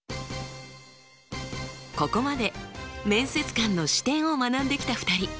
ここまで面接官の視点を学んできた２人。